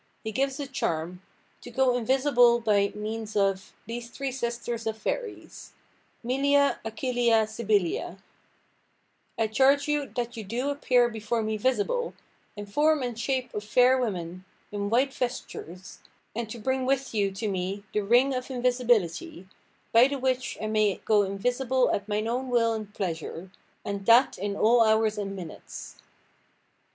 He gives a charm "to go invisible by [means of] these three sisters of fairies," Milia, Achilia, Sibylia: "I charge you that you doo appeare before me visible, in forme and shape of faire women, in white vestures, and to bring with you to me the ring of invisibilitie, by the which I may go invisible at mine owne will and pleasure, and that in all hours and minutes."